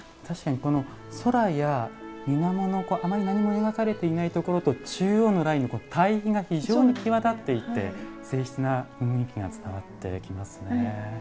確かにこの空や水面のあまり何も描かれていないところと中央のラインの対比が非常に際立っていて静ひつな雰囲気が伝わってきますね。